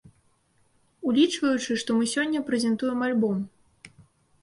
Улічваючы, што мы сёння прэзентуем альбом.